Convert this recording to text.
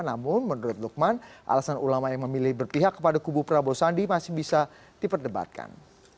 namun menurut lukman alasan ulama yang memilih berpihak kepada kubu prabowo sandi masih bisa diperdebatkan